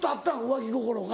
浮気心が。